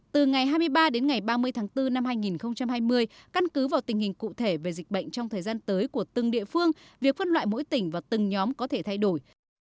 từ ngày hai mươi ba đến ngày ba mươi tháng bốn năm hai nghìn hai mươi căn cứ vào tình hình cụ thể về dịch bệnh trong thời gian tới của từng địa phương việc phân loại mỗi tỉnh và từng nhóm có thể thay đổi